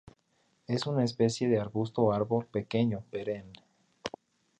Es una especie de arbusto o árbol pequeño, perenne.